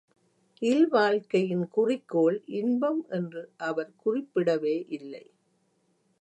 இல்வாழ்க்கையின் குறிக்கோள் இன்பம் என்று அவர் குறிப்பிடவே இல்லை.